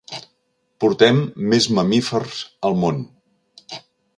Portem més mamífers al món.